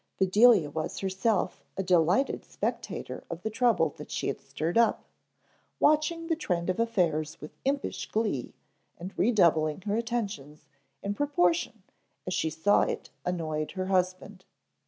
Bedelia was herself a delighted spectator of the trouble that she had stirred up, watching the trend of affairs with impish glee and redoubling her attentions in proportion as she saw it annoyed her husband.